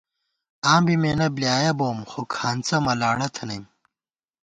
آں بی مېنہ بۡلیایَہ بوم خو کھانڅہ ملاڑہ تھنَئیم